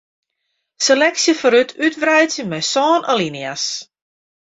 Seleksje foarút útwreidzje mei sân alinea's.